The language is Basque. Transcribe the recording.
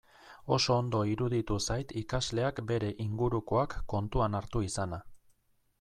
Oso ondo iruditu zait ikasleak bere ingurukoak kontuan hartu izana.